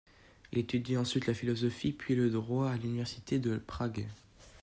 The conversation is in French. Il étudie ensuite la philosophie puis le droit à l'Université de Prague.